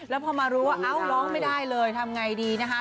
แล้วพอมารู้ว่าเอ้าร้องไม่ได้เลยทำไงดีนะคะ